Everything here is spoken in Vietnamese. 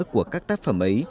của các tác phẩm ấy